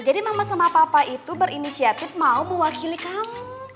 jadi mama sama papa itu berinisiatif mau mewakili kamu